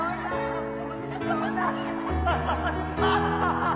ハハハッ！